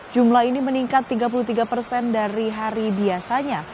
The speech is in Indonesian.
jumlah ini meningkat tiga puluh tiga persen dari hari biasanya